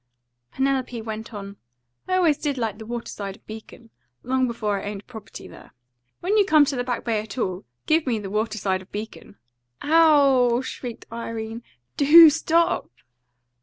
Penelope went on. "'I always did like the water side of Beacon, long before I owned property there. When you come to the Back Bay at all, give me the water side of Beacon.'" "Ow w w w!" shrieked Irene. "DO stop!"